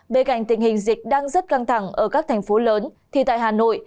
bên cạnh tình hình dịch đang rất căng thẳng ở các thành phố lớn thì tại hà nội